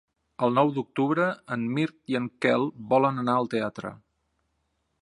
El nou d'octubre en Mirt i en Quel volen anar al teatre.